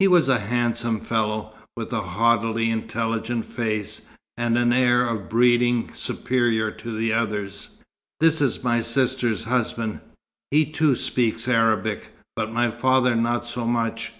He was a handsome fellow, with a haughtily intelligent face, and an air of breeding superior to the others. "This is my sister's husband. He too speaks Arabic, but my father not so much."